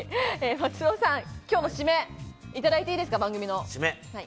松尾さん、今日の締めいただいていいですか？